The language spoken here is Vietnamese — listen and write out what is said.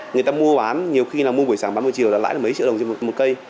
người ta mua bán nhiều khi là mua buổi sáng bán buổi chiều đã lãi được mấy triệu đồng trên một cây